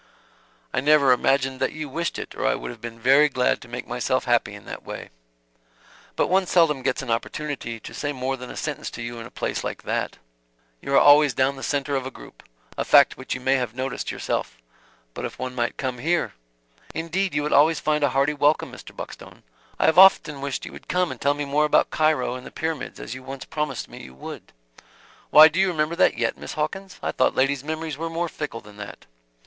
"I never imagined that you wished it or I would have been very glad to make myself happy in that way. But one seldom gets an opportunity to say more than a sentence to you in a place like that. You are always the centre of a group a fact which you may have noticed yourself. But if one might come here " "Indeed you would always find a hearty welcome, Mr. Buckstone. I have often wished you would come and tell me more about Cairo and the Pyramids, as you once promised me you would." "Why, do you remember that yet, Miss Hawkins? I thought ladies' memories were more fickle than that."